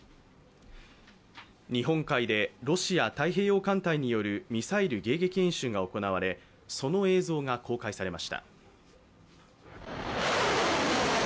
日本海でロシア太平洋艦隊によるミサイル迎撃演習が行われその映像が公開されました。